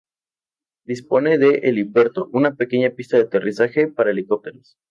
Dispone de helipuerto, una pequeña pista de aterrizaje para helicópteros.